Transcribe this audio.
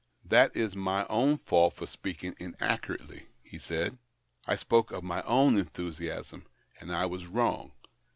" That is my own fault for speaking inaccurately," he said. " I spoke of my own enthusiasm, and I was wrong.